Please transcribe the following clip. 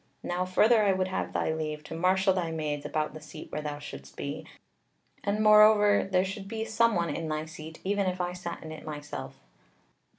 Now, further, I would have thy leave to marshal thy maids about the seat where thou shouldest be, and moreover there should be someone in thy seat, even if I sat in it myself."